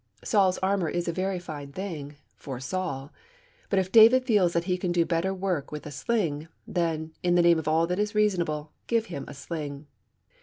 Saul's armour is a very fine thing for Saul! But if David feels that he can do better work with a sling, then, in the name of all that is reasonable, give him a sling!